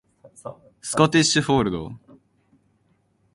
スコティッシュフォールド